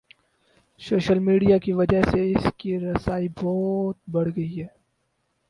Social media کی وجہ سے اس کی رسائی بہت بڑھ گئی ہے۔